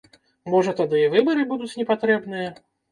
Можа, тады і выбары будуць непатрэбныя?